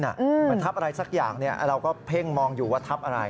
เหมือนทับอะไรสักอย่างเราก็เพ่งมองอยู่ว่าทับอะไร